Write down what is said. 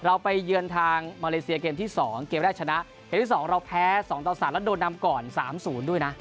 ไปเยือนทางมาเลเซียเกมที่๒เกมแรกชนะเกมที่๒เราแพ้๒ต่อ๓แล้วโดนนำก่อน๓๐ด้วยนะ